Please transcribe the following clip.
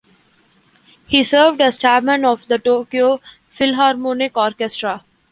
He served as chairman of the Tokyo Philharmonic Orchestra.